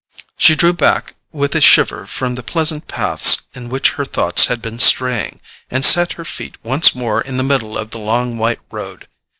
She drew back with a shiver from the pleasant paths in which her thoughts had been straying, and set her feet once more in the middle of the long white road....